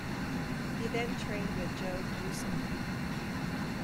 He then trained with Joe Goossen.